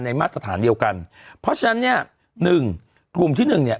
มาตรฐานเดียวกันเพราะฉะนั้นเนี่ยหนึ่งกลุ่มที่หนึ่งเนี่ย